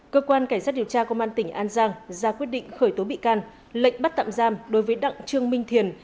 cơ quan cảnh sát điều tra công an tỉnh an giang ra quyết định khởi tố bị can lệnh bắt tạm giam đối với đặng trương minh thiền